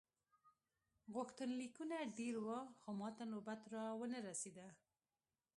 غوښتنلیکونه ډېر وو نو ماته نوبت را ونه رسیده.